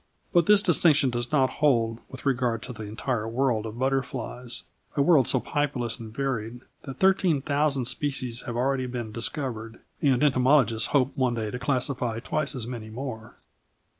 But this distinction does not hold with regard to the entire world of butterflies a world so populous and varied that thirteen thousand species have already been discovered, and entomologists hope one day to classify twice as many more.